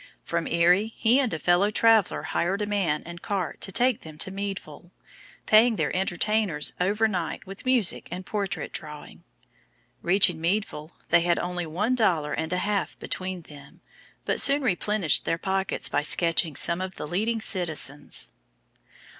From Erie he and a fellow traveller hired a man and cart to take them to Meadville, paying their entertainers over night with music and portrait drawing. Reaching Meadville, they had only one dollar and a half between them, but soon replenished their pockets by sketching some of the leading citizens.